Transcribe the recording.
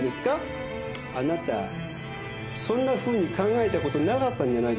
あなたそんなふうに考えたことなかったんじゃないですか？